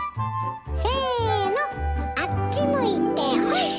せのあっち向いてホイ！